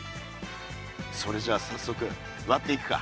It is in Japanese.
それじゃさっそく割っていくか。